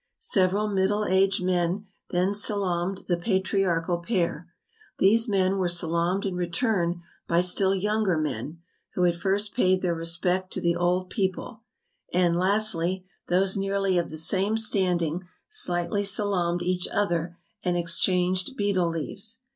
Several middle aged men then salamed the patriarchal pair; these men were salamed in re¬ turn by still younger men, who had first paid their respect to the old people; and, lastly, those nearly of the same standing slightly salamed each other, and exchanged betel leaves.